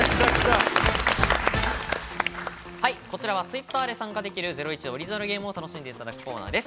こちらはＴｗｉｔｔｅｒで参加できる『ゼロイチ』オリジナルゲームを楽しんでいただくコーナーです。